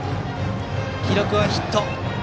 記録はヒット。